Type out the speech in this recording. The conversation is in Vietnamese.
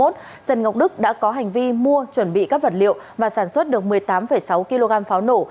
trần ngọc đức đã có hành vi mua chuẩn bị các vật liệu và sản xuất được một mươi tám sáu kg pháo nổ